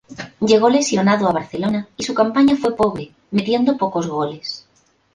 Llegó lesionado a Barcelona y su campaña fue pobre, metiendo pocos goles.